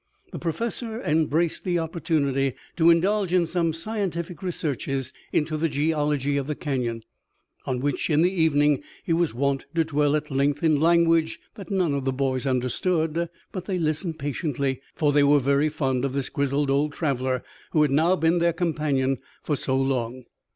The Professor embraced the opportunity to indulge in some scientific researches into the geology of the Canyon, on which in the evening he was wont to dwell at length in language that none of the boys understood. But they listened patiently, for they were very fond of this grizzled old traveler who had now been their companion for so long.